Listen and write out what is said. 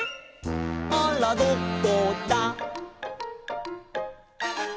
「あらどこだ」